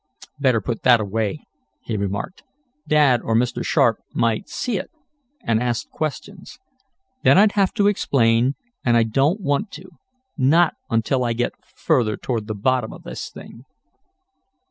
"Better put that away," he remarked. "Dad or Mr. Sharp might see it, and ask questions. Then I'd have to explain, and I don't want to, not until I get further toward the bottom of this thing."